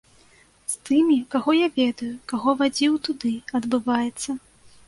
З тымі, каго я ведаю, каго вадзіў туды, адбываецца.